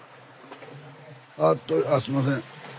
あっすいません。